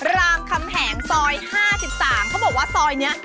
รามคำแหงซอย๕๓เขาบอกว่าซอยนี้